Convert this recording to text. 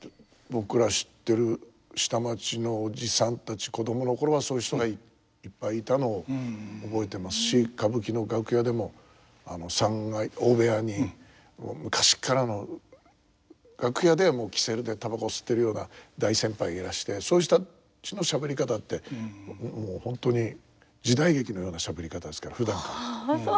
僕ら知ってる下町のおじさんたち子供の頃はそういう人がいっぱいいたのを覚えてますし歌舞伎の楽屋でも三階大部屋にもう昔っからの楽屋では煙管でたばこ吸ってるような大先輩がいらしてそういう人たちのしゃべり方ってもう本当に時代劇のようなしゃべり方ですからふだんから。